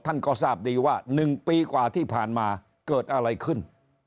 ท่านก็ทราบดีว่า๑ปีกว่าที่ผ่านมาเกิดอะไรขึ้น